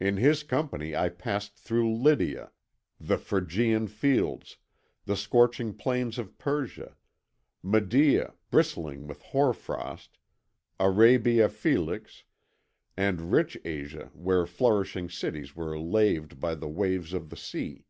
In his company I passed through Lydia, the Phrygian fields, the scorching plains of Persia, Media bristling with hoar frost, Arabia Felix, and rich Asia where flourishing cities were laved by the waves of the sea.